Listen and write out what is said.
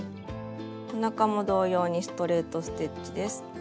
おなかも同様にストレート・ステッチです。